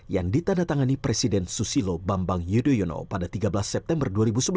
yang ditandatangani presiden susilo bambang yudhoyono pada tiga belas september dua ribu sebelas